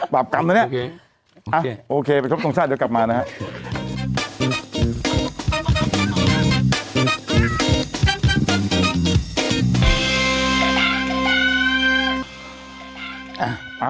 กรรมนะเนี่ยโอเคโอเคไปครบทรงชาติเดี๋ยวกลับมานะฮะ